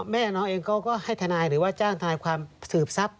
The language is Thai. แม่น้องเองเขาก็ให้ทนายหรือว่าจ้างทนายความสืบทรัพย